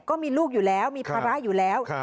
ก็มีลูกอยู่แล้วมีภาระอยู่แล้ว